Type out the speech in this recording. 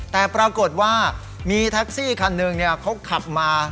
แต่ปรากฏว่ามีแท็กซี่คันหนึ่งเขาขับมา